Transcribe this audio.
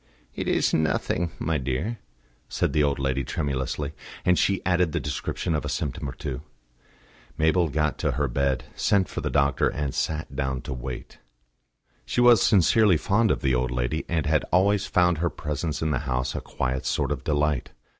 "It is nothing, my dear," said the old lady tremulously; and she added the description of a symptom or two. Mabel got her to bed, sent for the doctor, and sat down to wait. She was sincerely fond of the old lady, and had always found her presence in the house a quiet sort of delight.